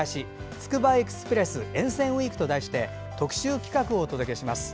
つくばエクスプレス沿線ウイークと題して特集企画をお届けします。